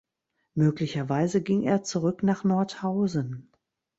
Möglicherweise ging er zurück nach Nordhausen.